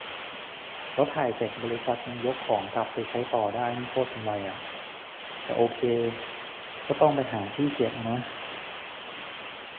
แล้วถ่ายเสร็จบริษัทยังยกของกลับไปใช้ต่อได้นี่โคตรกำไรอะ แต่โอเค ก็ต้องไปหาที่เก็บอะนะ